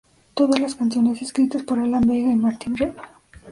Todas las canciones escritas por Alan Vega y Martin Rev.